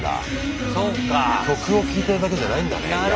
曲を聴いてるだけじゃないんだねイヤホンで。